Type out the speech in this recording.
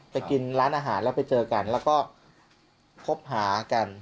กินร้านอาหารแล้วไปเจอกันแล้วก็คบหากัน